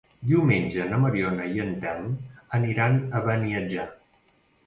Diumenge na Mariona i en Telm aniran a Beniatjar.